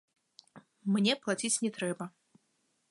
Мне плаціць не трэба.